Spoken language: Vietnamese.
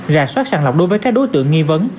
rà soát sàng lọc đối với các đối tượng nghi vấn